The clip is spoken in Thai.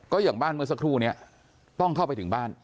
ก็อย่างบ้านเมื่อสักครู่นี้ต้องเข้าไปถึงบ้าน